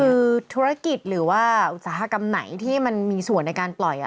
คือธุรกิจหรือว่าอุตสาหกรรมไหนที่มันมีส่วนในการปล่อย